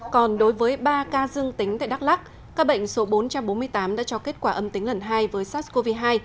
còn đối với ba ca dương tính tại đắk lắc ca bệnh số bốn trăm bốn mươi tám đã cho kết quả âm tính lần hai với sars cov hai